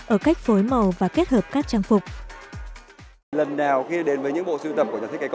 ở cách phối màu và kết hợp các trang phục